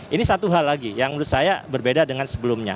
ini satu hal lagi yang menurut saya berbeda dengan sebelumnya